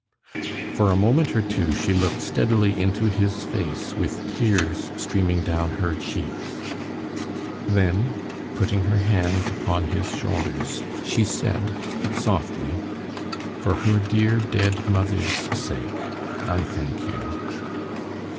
For a moment or two she looked steadily into his face with tears streaming down her cheeks. Then putting her hands upon his shoulders, she said, softly: "For her dear, dead mother's sake, I thank you."